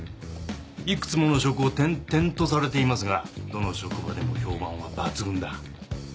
いくつもの職を転々とされていますがどの職場でも評判は抜群だ。